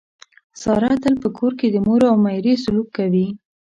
ساره تل په کور کې د مور او میرې سلوک کوي.